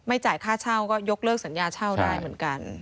จ่ายค่าเช่าก็ยกเลิกสัญญาเช่าได้เหมือนกัน